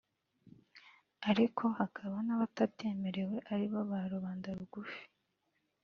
ariko hakaba n’abatabyemerewe aribo ba rubanda rugufi